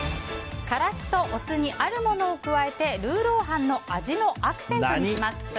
からしとお酢にあるものを加えてルーロー飯の味のアクセントにします。